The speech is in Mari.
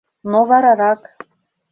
Но варарак...